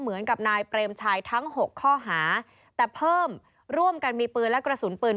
เหมือนกับนายเปรมชัยทั้ง๖ข้อหาแต่เพิ่มร่วมกันมีปืนและกระสุนปืน